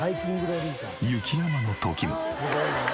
雪山の時も。